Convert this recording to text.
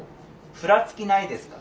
ふらつきないですか？